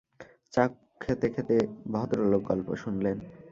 চা খোঁতে-খেতে ভদ্রলোক গল্প শুনলেন।